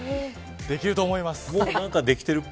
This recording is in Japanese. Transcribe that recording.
できると思います。